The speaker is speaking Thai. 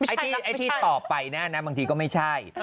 ไอ้ที่ตอบไปนะบางทีก็ไม่ใช่